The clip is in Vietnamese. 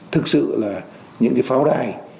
thực sự là những pháo đai